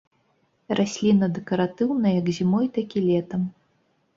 Расліна дэкаратыўна як зімой, так і летам.